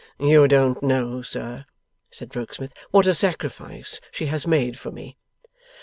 'You don't know, sir,' said Rokesmith, 'what a sacrifice she has made for me!